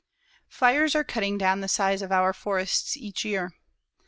Fires are cutting down the size of our forests each year.